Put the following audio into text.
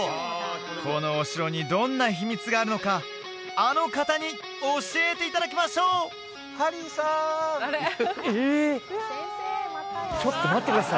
このお城にどんな秘密があるのかあの方に教えていただきましょうええっちょっと待ってください